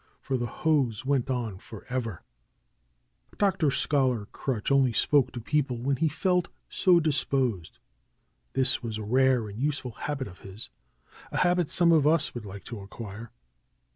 For the hose went on forever ! Dr. Scholar Crutch only spoke to people when he felt so disposed. This was a rare and useful habit of his; a habit some of us would like to acquire.